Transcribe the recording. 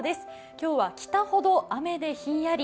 今日は北ほど雨でひんやり。